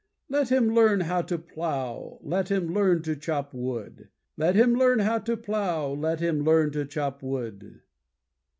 Let him learn how to plough, let him learn to chop wood, Let him learn how to plough, let him learn to chop wood.